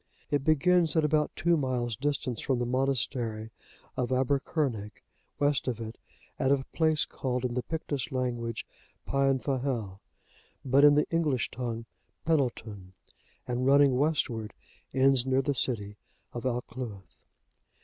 It begins at about two miles' distance from the monastery of Aebbercurnig,(77) west of it, at a place called in the Pictish language Peanfahel,(78) but in the English tongue, Penneltun, and running westward, ends near the city of Alcluith.